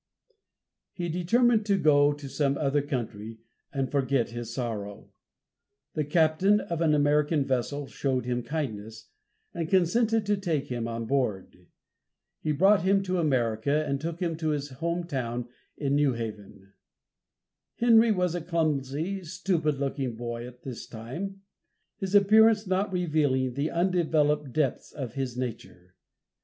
He determined to go to some other country, and forget his sorrow. The captain of an American vessel showed him kindness, and consented to take him on board. He brought him to America, and took him to his own home in New Haven. Henry was a clumsy, stupid looking boy at this time, his appearance not revealing the undeveloped depths of his nature.